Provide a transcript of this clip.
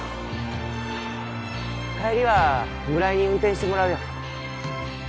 帰りは村井に運転してもらうよ